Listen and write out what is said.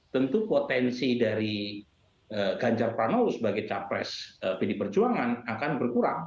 tentu potensi dari ganjar pranowo sebagai capres pdi perjuangan akan berkurang